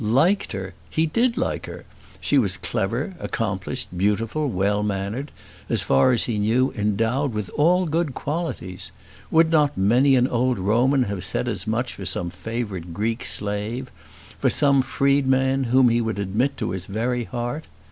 Liked her! He did like her. She was clever, accomplished, beautiful, well mannered, as far as he knew endowed with all good qualities! Would not many an old Roman have said as much for some favourite Greek slave, for some freedman whom he would admit to his very heart?